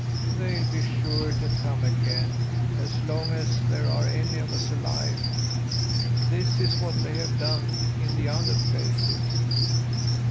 They'll be sure to come again, as long as there are any of us alive. This is what they have done in the other places."